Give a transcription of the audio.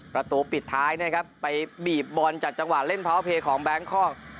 ประตูปิดท้ายนะครับไปบีบบอลจากจังหวะเล่นพาวเพย์ของแบงคอก